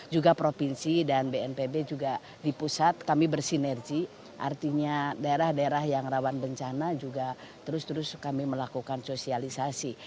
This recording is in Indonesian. juga provinsi dan bnpb juga di pusat kami bersinergi artinya daerah daerah yang rawan bencana juga terus terus kami melakukan sosialisasi